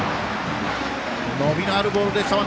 伸びのあるボールでした。